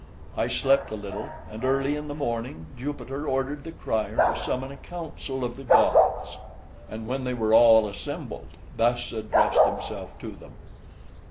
I slept a little, and early in the morning Jupiter ordered the crier to summon a council of the gods, and when they were all assembled, thus addressed himself to them.